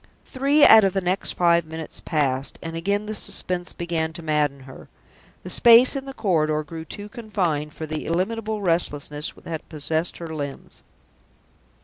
Three out of the next five minutes passed, and again the suspense began to madden her. The space in the corridor grew too confined for the illimitable restlessness that possessed her limbs.